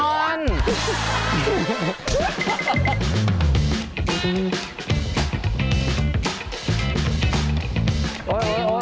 โอ๊ยช่วยช่วย